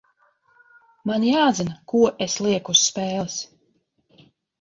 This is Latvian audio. Man jāzina, ko es lieku uz spēles.